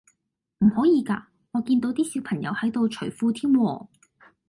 唔可以㗎？我見到啲小朋友喺度除褲添喎